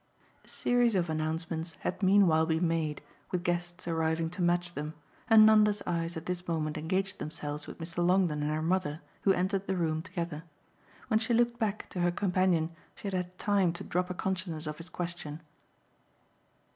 A series of announcements had meanwhile been made, with guests arriving to match them, and Nanda's eyes at this moment engaged themselves with Mr. Longdon and her mother, who entered the room together. When she looked back to her companion she had had time to drop a consciousness of his question.